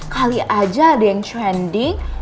kali aja ada yang spending